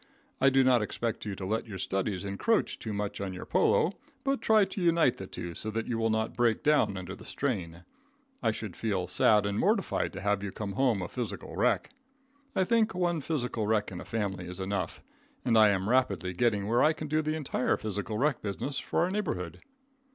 I do not expect you to let your studies encroach, too much on your polo, but try to unite the two so that you will not break down under the strain. I should feel sad and mortified to have you come home a physical wreck. I think one physical wreck in a family is enough, and I am rapidly getting where I can do the entire physical wreck business for our neighborhood.